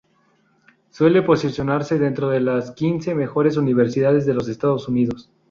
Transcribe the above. Suele posicionarse dentro de las quince mejores universidades de los Estados Unidos.